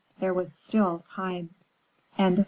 There was still time! PART VI.